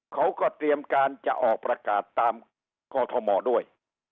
เขาก็เตรียมการจะออกประกาศตามกอทมด้วย